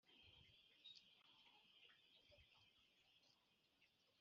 kutagira urwara rwo kwishima